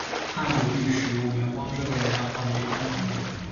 汉武帝使用元光这个年号一共六年。